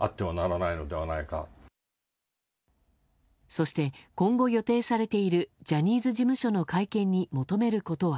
そして、今後予定されているジャニーズ事務所の会見に求めることは。